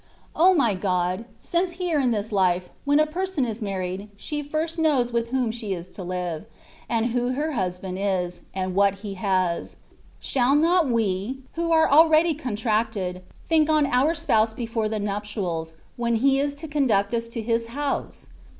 O my God I since here in this life^ when a person is married^ she first knows with whom she is to live, and who her husband is, and what he has; shall not we^ who are already contracted, think on our Spouse before the nuptials, when He is to conduct us to His house